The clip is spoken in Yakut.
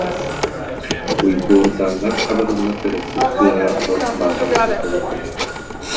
Уйгуурдаанап Хабырылла төрөппүт кыыһа бу Баатаҕайга олорбута